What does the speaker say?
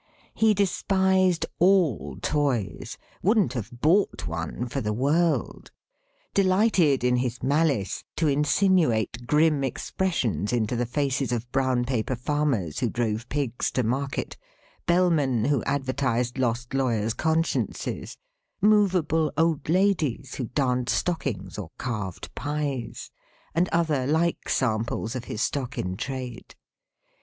He despised all toys; wouldn't have bought one for the world; delighted, in his malice, to insinuate grim expressions into the faces of brown paper farmers who drove pigs to market, bellmen who advertised lost lawyers' consciences, moveable old ladies who darned stockings or carved pies; and other like samples of his stock in trade.